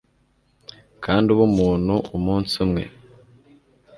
kandi ube umuntu umunsi umwe